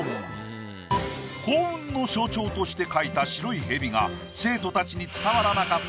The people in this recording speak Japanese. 幸運の象徴として描いた白いヘビが生徒たちに伝わらなかった